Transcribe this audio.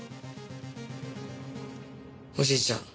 おじいちゃん